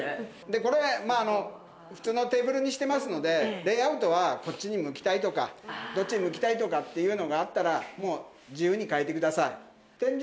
これ普通のテーブルにしてますのでレイアウトはこっちに向きたいとかどっちに向きたいとかっていうのがあったらもう自由に変えてください。